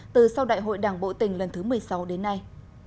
từ sau đại hội đảng bộ tỉnh lần thứ một mươi sáu đến nay